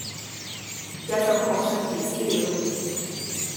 也就可想而知了，